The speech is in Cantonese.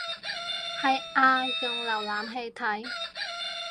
係啊用瀏覽器睇